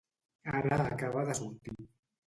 Ara acaba de sortir.